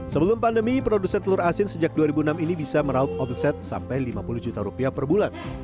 sebelum pandemi produser telur asin sejak dua ribu enam ini bisa merauk obat sampai lima puluh juta rupiah per bulan